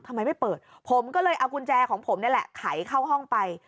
ทำไมไม่เปิดผมก็เลยเอากุญแจของผมนี่แหละไขเข้าห้องไป